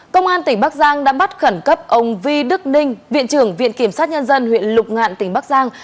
công an tp quảng bình đã bắt khẩn cấp ông vi đức ninh viện trưởng viện kiểm sát nhân dân huyện lục ngạn tp quảng bình